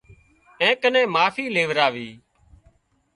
اين ڪنين معافي ليوراوي